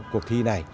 cuộc thi này